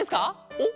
おっ？